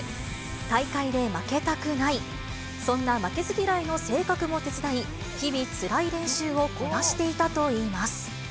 大会で負けたくない、そんな負けず嫌いの性格も手伝い、日々、つらい練習をこなしていたといいます。